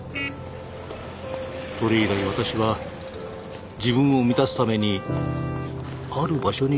それ以来私は自分を満たすためにある場所に通うようになりました。